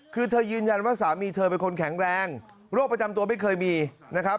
คือเธอยืนยันว่าสามีเธอเป็นคนแข็งแรงโรคประจำตัวไม่เคยมีนะครับ